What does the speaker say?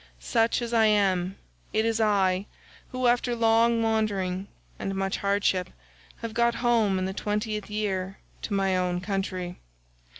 Such as I am, it is I, who after long wandering and much hardship have got home in the twentieth year to my own country.